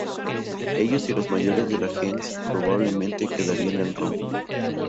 Ellos y los mayores de la "gens" probablemente quedarían en Roma.